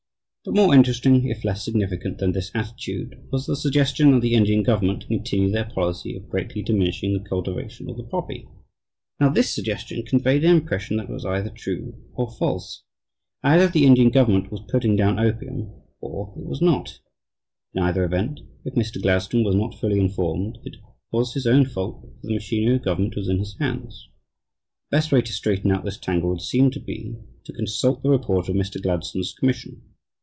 But more interesting, if less significant than this attitude, was the suggestion that the Indian government "continue their policy of greatly diminishing the cultivation of the poppy." Now this suggestion conveyed an impression that was either true or false. Either the Indian government was putting down opium or it was not. In either event, if Mr. Gladstone was not fully informed, it was his own fault, for the machinery of government was in his hands. The best way to straighten out this tangle would seem to be to consult the report of Mr. Gladstone's commission.